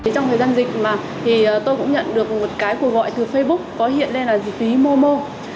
trong thời gian dịch tôi cũng nhận được một cuộc gọi từ facebook có hiện lên là dịch phí momo